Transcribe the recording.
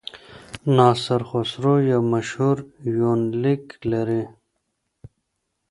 ناصر خسرو یو مشهور یونلیک لري.